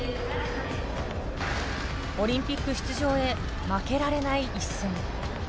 オリンピック出場へ負けられない一戦。